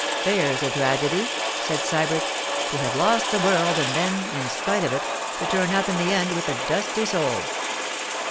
'There's a tragedy!' said Sybert—'to have lost the world, and then, in spite of it, to turn up in the end with a dusty soul!